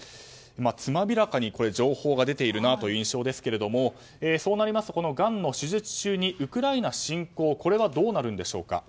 つまびらかに情報が出ているなという印象ですがそうなりますとがんの手術中にウクライナ侵攻はどうなるんでしょうか。